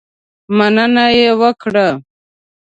مننه یې وکړه.